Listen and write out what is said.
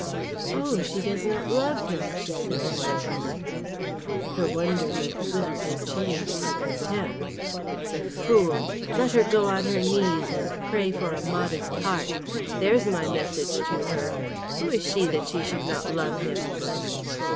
"Oh, she does not love him!" she said in wonderment. Her wonderment swiftly changed to contempt. "The fool! Let her go on her knees and pray for a modest heart. There's my message to her. Who is she that she should not love him?"